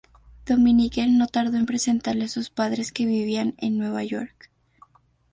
Dominique no tardó en presentarle a sus padres que vivían en Nueva York.